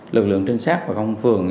lực lượng trinh sát và công phường